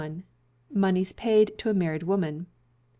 Moneys paid to a Married Woman.